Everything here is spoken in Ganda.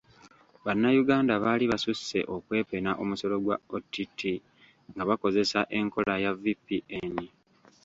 Bannayuganda baali basusse okwepena omusolo gwa OTT nga bakozesa enkola ya VPN.